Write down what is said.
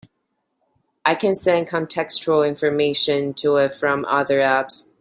I can send contextual information to it from other apps.